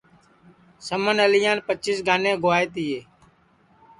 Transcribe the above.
سمن اعلیان پچیس گانیں گُوائے تیے